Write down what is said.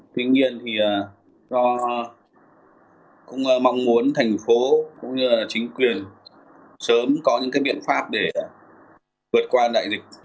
tuy nhiên thì do cũng mong muốn thành phố cũng như là chính quyền sớm có những cái biện pháp để vượt qua đại dịch